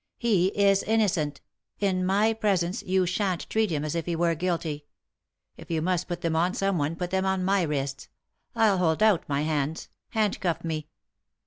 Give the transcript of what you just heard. He is innocent; in my presence you shan't treat him as if he were guilty. If you must put them on someone put them on my wrists. I'll hold out my hands ; handcuff me."